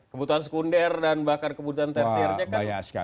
kebutuhan sekunder dan bahkan kebutuhan tersiernya kan